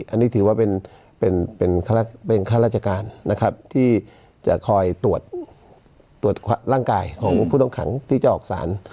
อันนี้ถือว่าเป็นข้าราชการนะครับที่จะคอยตรวจร่างกายของผู้ต้องขังที่จะออกสาร